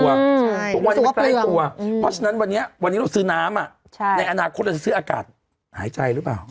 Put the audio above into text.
ทุกวันนี้ไม่ใกล้ตัวเพราะฉะนั้นวันนี้วันนี้เราซื้อน้ำในอนาคตเราจะซื้ออากาศหายใจหรือเปล่า